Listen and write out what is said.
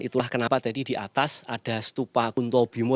itulah kenapa tadi di atas ada stupa kuntobimo